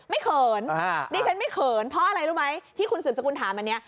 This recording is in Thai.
เขินดิฉันไม่เขินเพราะอะไรรู้ไหมที่คุณสืบสกุลถามอันนี้